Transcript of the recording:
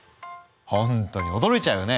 ほんとに驚いちゃうよね。